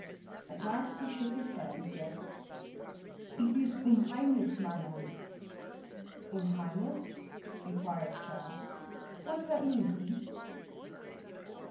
At last he shook his head and said, "It is unheimlich, mein Annie." "Unheimlich," inquired the child, "what does that mean, Pete?"